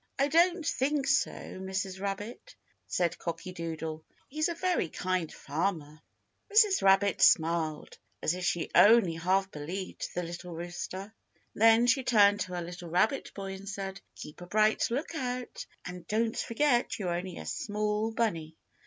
"I don't think so, Mrs. Rabbit," said Cocky Doodle; "he's a very kind farmer." Mrs. Rabbit smiled, as if she only half believed the little rooster. Then she turned to her little rabbit boy and said, "Keep a bright lookout, and don't forget you're only a small bunny."